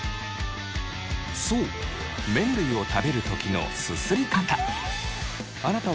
そう麺類を食べる時のすすり方。